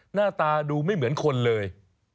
หน้าตาดูไม่เหมือนคนเลย